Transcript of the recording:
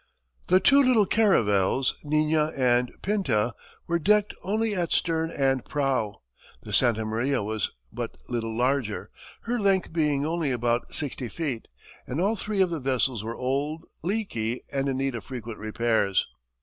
The two little caravels, Niña and Pinta, were decked only at stern and prow. The Santa Maria was but little larger, her length being only about sixty feet, and all three of the vessels were old, leaky, and in need of frequent repairs.